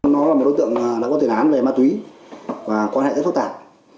nó là một đối tượng đã có lợi án về ma túy và quan hệ rất phục tạt